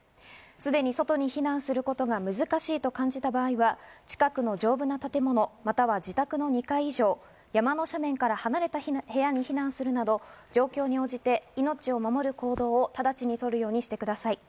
すでに外に避難することが難しいと感じた場合は近くの丈夫な建物、または自宅の２階以上、山の斜面から離れた部屋に避難するなど状況に応じて命を守る行動を直ちにとってください。